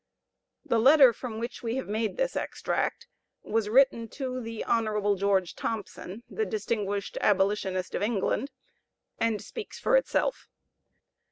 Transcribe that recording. The letter from which we have made this extract was written to Hon. George Thompson, the distinguished abolitionist of England, and speaks for itself.